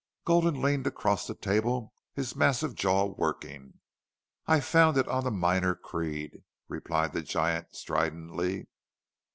Gulden leaned across the table, his massive jaw working. "I found it on the miner Creede," replied the giant, stridently.